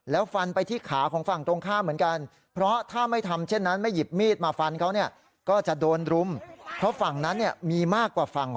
แล้วฟันไปที่ขาของฝั่งตรงข้ามเหมือนกัน